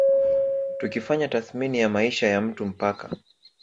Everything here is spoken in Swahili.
Tukifanya tathmini ya maisha ya mtu mpaka